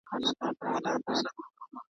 په ظاهره وي په سپینو جامو ښکلی .